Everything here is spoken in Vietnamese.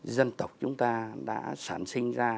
dân tộc chúng ta đã sản sinh ra